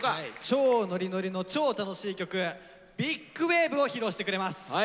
超ノリノリの超楽しい曲「ＢｉｇＷａｖｅ！！！！！！」を披露してくれます。